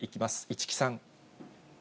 市來さん。